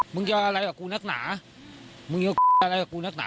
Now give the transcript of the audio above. มึงจะเอาอะไรกับกูนักหนามึงจะอะไรกับกูนักหนา